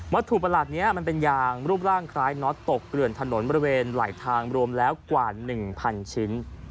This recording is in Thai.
ถุประหลาดนี้มันเป็นยางรูปร่างคล้ายน็อตตกเกลื่อนถนนบริเวณไหลทางรวมแล้วกว่า๑๐๐ชิ้น